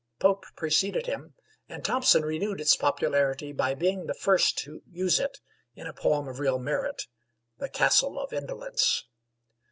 Pope preceded him, and Thomson renewed its popularity by being the first to use it in a poem of real merit, 'The Castle of Indolence.'